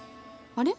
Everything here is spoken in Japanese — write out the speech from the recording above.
あれ？